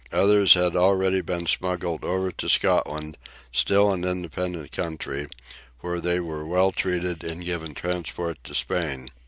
Others had already been smuggled over to Scotland, still an independent country, where they were well treated and given transport to Spain.